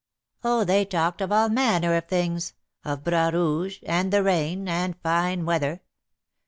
"Oh, they talked of all manner of things, of Bras Rouge, and the rain, and fine weather."